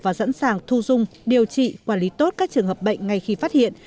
và sẵn sàng thu dung điều trị quản lý tốt các trường hợp bệnh ngay khi phát hiện